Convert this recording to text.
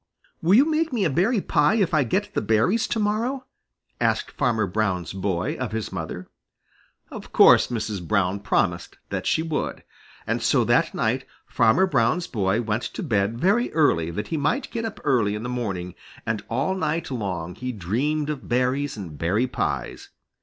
"Will you make me a berry pie if I will get the berries to morrow?" asked Farmer Brown's boy of his mother. Of course Mrs. Brown promised that she would, and so that night Farmer Brown's boy went to bed very early that he might get up early in the morning, and all night long he dreamed of berries and berry pies.